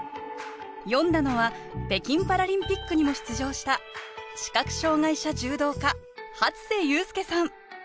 詠んだのは北京パラリンピックにも出場した視覚障害者柔道家初瀬勇輔さん。